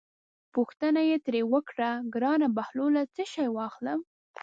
پوښتنه یې ترې وکړه: ګرانه بهلوله څه شی واخلم.